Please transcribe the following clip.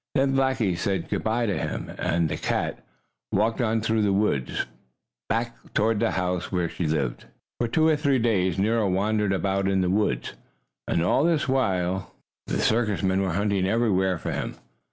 Then Blackie said goodbye to him, and the cat walked on through the woods, back toward the house where she lived. For two or three days Nero wandered about in the woods, and, all this while, the circus men were hunting everywhere for him.